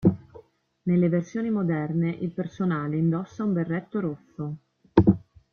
Nelle versioni moderne il personale indossa un berretto rosso.